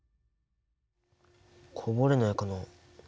こぼれないかな。